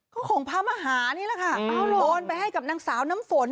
ก็ของพระมหานี่แหละค่ะโอนไปให้กับนางสาวน้ำฝน